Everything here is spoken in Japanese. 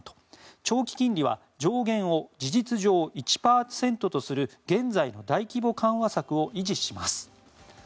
長期金利は上限を事実上１％とする現在の大規模緩和策を維持します。